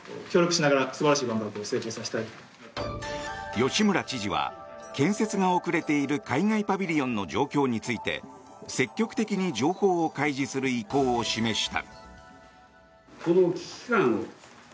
吉村知事は、建設が遅れている海外パビリオンの状況について積極的に情報を開示する意向を示した。